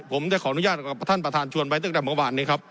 ผมจะขออนุญาตกับท่านประธานชวนไว้ตั้งแต่เมื่อวานนี้ครับ